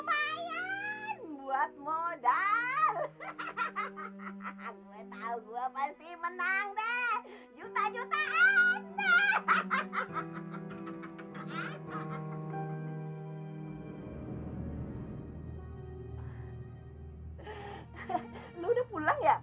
aisyah pulang saja